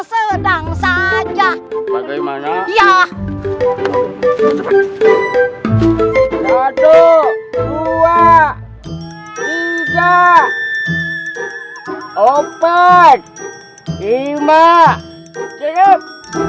selasi selasi bangun